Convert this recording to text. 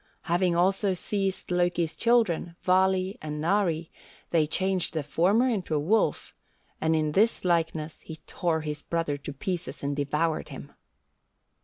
Having also seized Loki's children, Vali and Nari, they changed the former into a wolf, and in this likeness he tore his brother to pieces and devoured him.